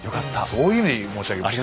そういう意味で申し上げました。